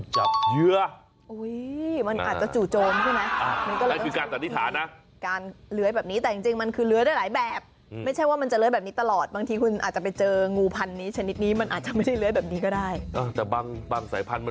จบเรื่องงูดีกว่าคุณสนะ